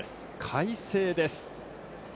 快晴です。